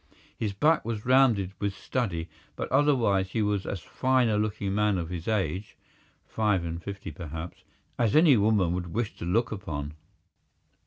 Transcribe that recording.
His back was rounded with study, but otherwise he was as fine a looking man of his age—five and fifty perhaps—as any woman would wish to look upon.